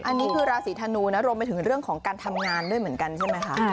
อันนี้คือราศีธนูนะรวมไปถึงเรื่องของการทำงานด้วยเหมือนกันใช่ไหมคะ